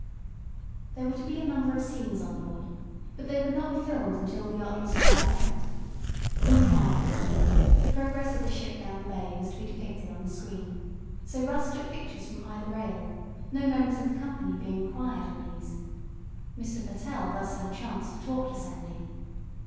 There were to be a number of scenes on board, but they would not be filmed until the yacht was farther out. Meanwhile, however, the progress of the ship down the bay was to be depicted on the screen, so Russ took pictures from either rail, no members of the company being required in these. Mr. Pertell thus had a chance to talk to Sandy.